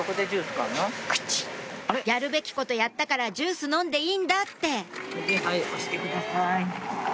「やるべきことやったからジュース飲んでいいんだ」って押してください。